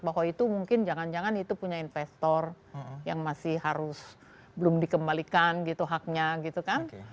bahwa itu mungkin jangan jangan itu punya investor yang masih harus belum dikembalikan gitu haknya gitu kan